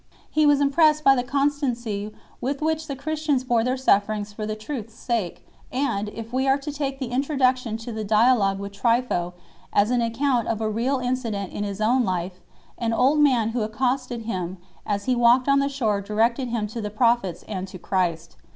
He was impressed by the constancy with which the Christians bore their sufferings for the truth s sake 1 , and if we are to take the introduction to the Dialogue with Trypho 2 as an account of a real incident in his own life an old man who accosted him as he walked on the shore directed him to the prophets and to Christ.